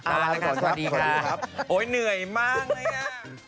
ลาลาค่ะสวัสดีค่ะขอบคุณครับโอ้ยเหนื่อยมากเลยค่ะ